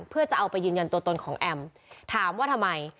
เพื่อจะเอาไปยืนยันตัวตนของแอมถามว่าทำไม